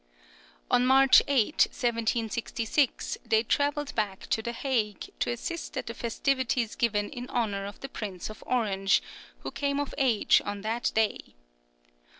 On March 8, 1766, they travelled back to the Hague, to assist at the festivities given in honour of the Prince of Orange, who came of age on that day.